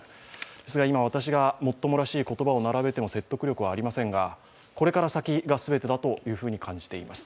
ですが私が今、もっともらしい言葉を並べても説得力はありませんが、これから先が全てだと感じています。